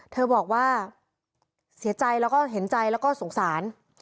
เธอบอกว่าเสียใจแล้วก็เห็นใจแล้วก็สงสาร